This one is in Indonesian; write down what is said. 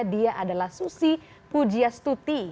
dia adalah susi pujastuti